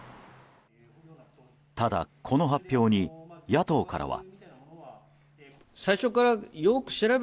ただ、この発表に野党からは。